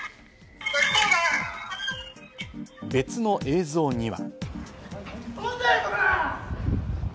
別の映像には。